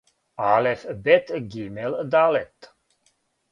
алеф бет гимел далет